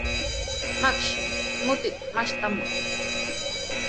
Makshi, mutita mashtamuy.